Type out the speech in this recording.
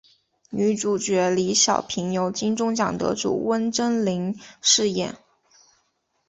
女主角李晓萍由金钟奖得主温贞菱饰演。